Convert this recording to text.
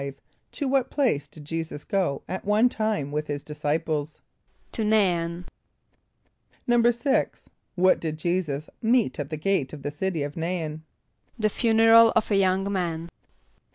= To what place did J[=e]´[s+]us go at one time with his disciples? =To N[=a]´in.= =6.= What did J[=e]´[s+]us meet at the gate of the city of N[=a]´in? =The funeral of a young man.